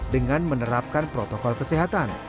dengan menerapkan protokol kesehatan